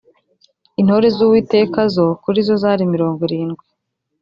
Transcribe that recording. intore z uwiteka zo kuri zo zari mirongo irindwi